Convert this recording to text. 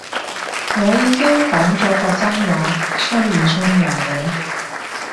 我已經講咗個真話，信唔信由你